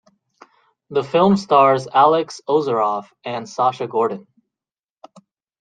The film stars Alex Ozerov and Sasha Gordon.